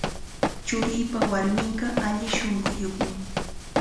Churiipa warminqa alli shunquyuqmi.